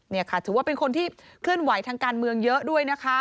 นี่ค่ะถือว่าเป็นคนที่เคลื่อนไหวทางการเมืองเยอะด้วยนะคะ